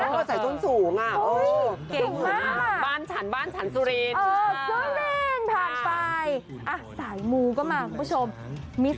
แฮะเหรอเหรอแล้วดูนะนางใส่ส้นสูงนะเธอ